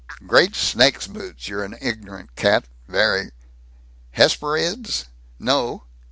Great snakes' boots, you're an ignorant cat, Vere! Hesperyds? No!